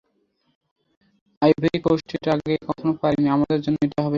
Ivory coast এটা আগে কখনো করেনি, আমাদের জন্য এটাই হবে সেরা ফল।